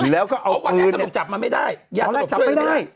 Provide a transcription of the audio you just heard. แล้วก็เอาไม่ได้